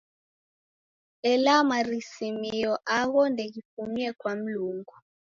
Ela marisimio agho ndeghifumie kwa Mlungu.